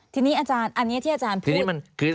ทีนี้อาจารย์อันนี้ที่อาจารย์พูด